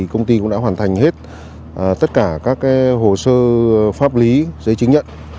công ty cũng đã hoàn thành hết tất cả các hồ sơ pháp lý giấy chứng nhận